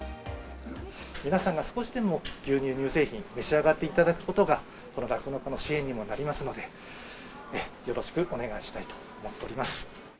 皆さんが少しでも牛乳・乳製品召し上がっていただくことが、この酪農家の支援にもなりますので、よろしくお願いしたいと思っております。